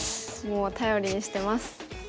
もう頼りにしてます。